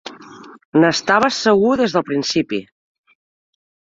N'estava segur des del principi.